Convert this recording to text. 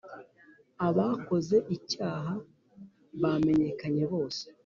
Abakoze icyaha bamenyekanye bose